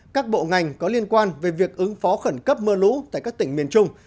các bộ ngành có liên quan về việc ứng phó khẩn cấp mưa lũ tại các tỉnh miền trung